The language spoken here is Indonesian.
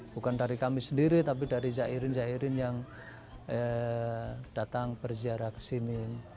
bukan dari kami sendiri tapi dari zairin zairin yang datang berziarah ke sini